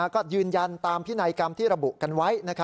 ก็ยืนยันตามพินัยกรรมที่ระบุกันไว้